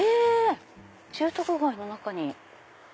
住宅街の中に。